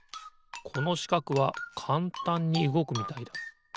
このしかくはかんたんにうごくみたいだ。